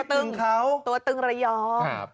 เออตัวตึงระยอง